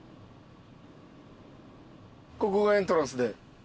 ここがエントランスで。